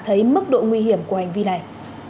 thấy mức độ nguy hiểm của hành vi này